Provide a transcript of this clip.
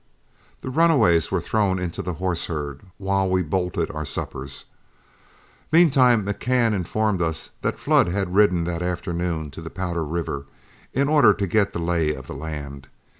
The runaways were thrown into the horse herd while we bolted our suppers. Meantime McCann informed us that Flood had ridden that afternoon to the Powder River, in order to get the lay of the land.